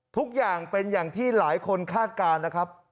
ทุกอย่างเป็นอย่างที่หลายคนคาดการณ์นะครับ